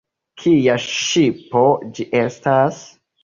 Kia ŝipo ĝi estas?